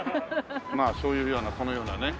まあそういうようなこのようなね。